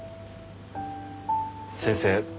先生